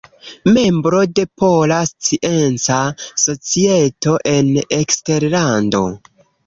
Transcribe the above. Membro de Pola Scienca Societo en Eksterlando.